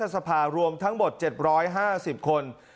รัฐสรรพารวมทั้งหมด๗๕๐คน